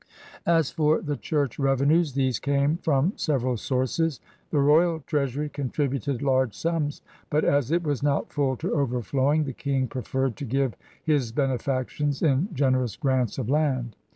As for the Church revenues, these came from several sources. The royal treasury contributed large sums, but, as it was not full to overflowing, the King preferred to give his benefactions in generous grants of land.